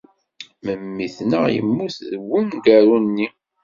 Memmi-tneɣ yemmut deg wemgaru-nni.